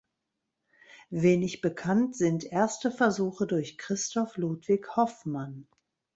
Wenig bekannt sind erste Versuche durch Christoph Ludwig Hoffmann.